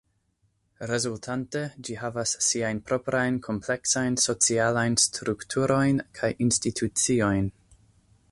Rezultante ĝi havas siajn proprajn kompleksajn socialajn strukturojn kaj instituciojn.